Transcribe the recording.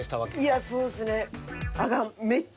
いやそうっすね。